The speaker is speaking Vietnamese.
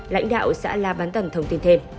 lãnh đạo xã lạp bán tẩn thông tin thêm